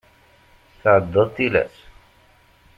Tɛeddaḍ tilas.